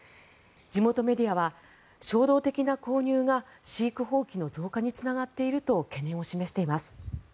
地元メディアは衝動的な購入が飼育放棄の増加につながっていると懸念を示しています。